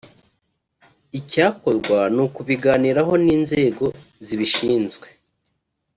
Icyakorwa ni ukubiganiraho n’inzego zibishinzwe